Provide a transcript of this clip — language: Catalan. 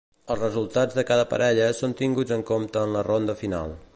Els resultats de cada parella són tinguts en compte en la ronda final.